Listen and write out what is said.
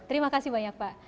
terima kasih banyak pak